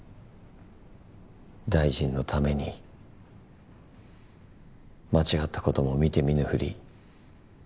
大臣のために間違ったことも見て見ぬふり。